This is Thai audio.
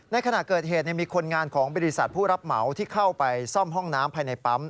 ขณะเกิดเหตุมีคนงานของบริษัทผู้รับเหมาที่เข้าไปซ่อมห้องน้ำภายในปั๊ม